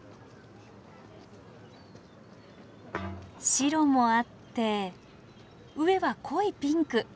白もあって上は濃いピンク。